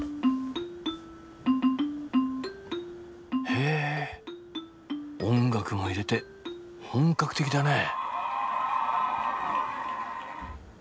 へえ音楽も入れて本格的だね。